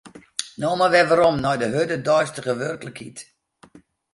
No mar wer werom nei de hurde deistige werklikheid.